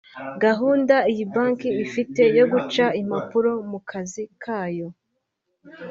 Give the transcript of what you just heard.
Gahunda iyi banki ifite yo guca impapuro mu kazi kayo